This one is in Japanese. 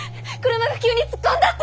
車が急に突っ込んだって。